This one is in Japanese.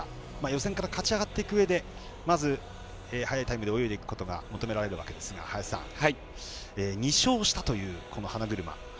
予選から勝ち上がっていくうえでまず速いタイムで泳いでいくことが求められるわけですが２勝したという花車。